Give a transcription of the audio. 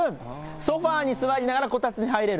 ソファーに座りながら、こたつに入れる。